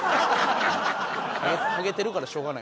ハゲてるからしょうがない。